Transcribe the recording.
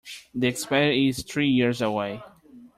The expiry is three years away.